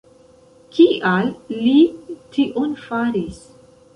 Kial li tion faris?